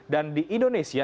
dan di indonesia